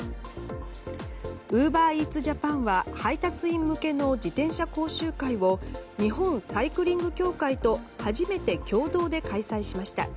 ウーバーイーツジャパンは配達員向けの自転車講習会を日本サイクリング協会と初めて共同で開催しました。